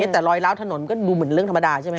แต่รอยล้าวถนนก็ดูเหมือนเรื่องธรรมดาใช่ไหม